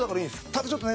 ただちょっとね